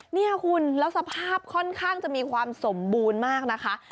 นี่คุณแล้วสภาพค่อนข้างจะมีความสมบูรณ์มากนะคะ